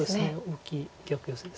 大きい逆ヨセです